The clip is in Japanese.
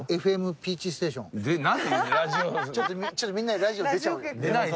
ちょっとみんなでラジオ出ちゃおうよ。